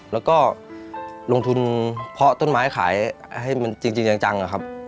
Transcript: แล้วก็ลงทุนเพาะต้นไม้ขายให้มันจริงจังนะครับ